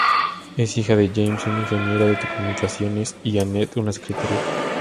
Es hija de James, un ingeniero en telecomunicaciones y Annette, una secretaria.